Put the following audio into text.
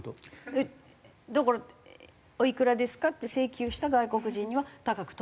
だからおいくらですか？って請求した外国人には高く取る。